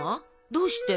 どうして？